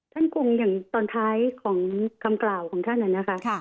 ท่านกรุงอย่างตอนท้ายของคำกล่าวของท่านนั้นนะคะ